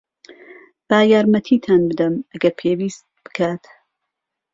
با یارمەتیتان بدەم، ئەگەر پێویست بکات.